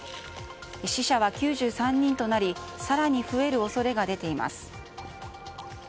死者は９３人となり更に増える恐れが出ています。